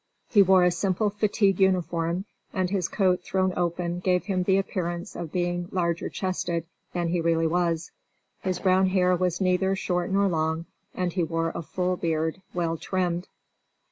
He wore a simple fatigue uniform, and his coat thrown open gave him the appearance of being larger chested than he really was. His brown hair was neither short nor long, and he wore a full beard, well trimmed.